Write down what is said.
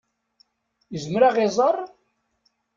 Yezmer ad ɣ-iẓer?